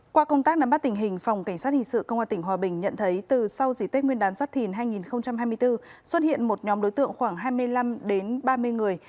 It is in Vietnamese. qua công tác nắm bắt tình hình phòng cảnh sát hình sự công an tỉnh hòa bình nhận thấy từ sau dị tết nguyên đán giáp thìn hai nghìn hai mươi bốn xuất hiện một nhóm đối tượng khoảng hai mươi năm đến ba mươi người